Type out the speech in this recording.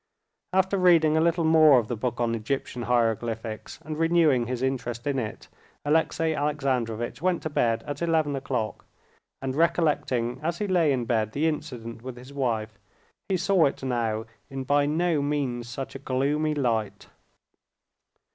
After reading a little more of the book on Egyptian hieroglyphics, and renewing his interest in it, Alexey Alexandrovitch went to bed at eleven o'clock, and recollecting as he lay in bed the incident with his wife, he saw it now in by no means such a gloomy light.